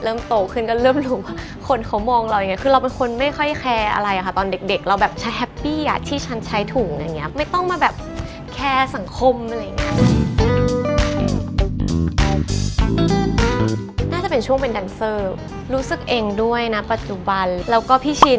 เริ่มโตและเริ่มลงความว่าคนเขามองเราอย่างนี้